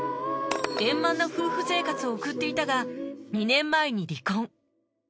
円満な夫婦生活を送っていたが２年前に離婚